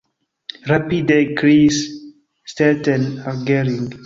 rapide ekkriis Stetten al Gering.